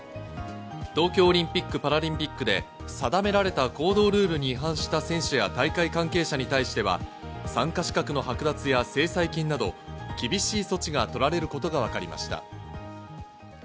東京オリンピック・パラリンピックで定められた行動ルールに違反した選手や大会関係者に対しては参加資格の剥奪や制裁金など、厳しい措置がとられることがわかりました。